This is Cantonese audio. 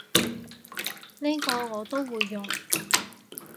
呢個我都會用